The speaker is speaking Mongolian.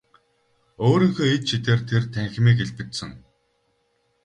Өөрийнхөө ид шидээр тэр танхимыг илбэдсэн.